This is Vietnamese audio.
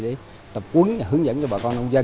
để tập quấn và hướng dẫn cho bà con nông dân